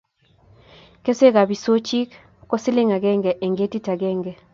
keswek ab isochik ko siling agenge eng' ketit agenge